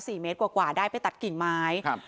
เมตรกว่ากว่าได้ไปตัดกิ่งไม้ครับ